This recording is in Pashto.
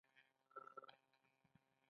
ایا له نري رنځ لرونکي سره اوسیدلي یاست؟